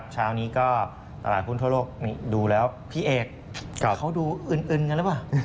เช้านี้ก็ตลาดหุ้นทั่วโลกดูแล้วพี่เอกเขาดูอึนกันหรือเปล่า